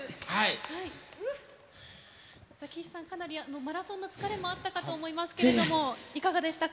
岸さん、かなり、マラソンの疲れもあったかと思いますけれども、いかがでしたか。